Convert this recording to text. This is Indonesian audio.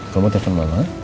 kamu mau telepon mama